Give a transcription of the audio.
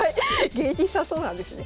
芸人さんそうなんですね。